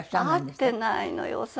会ってないのよ